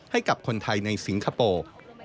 ให้กับคนไทยในสิงคโปร์